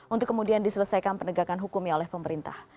untuk kemudian diselesaikan penegakan hukumnya oleh pemerintah